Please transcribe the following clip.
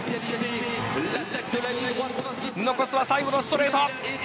残すは最後のストレート。